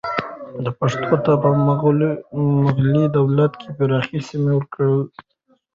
پښتنو ته په مغلي دولت کې پراخې سیمې ورکول کېدې.